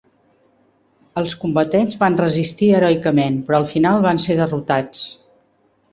Els combatents van resistir heroicament però al final van ser derrotats.